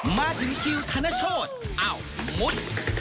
มาถึงคิวธนโชธอ้าวมุด